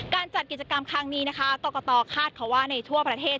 การจัดกิจกรรมครั้งนี้ตกต่อคาดว่าในทั่วประเทศ